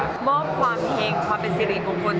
มอบความเห็งความเป็นสิริมงคล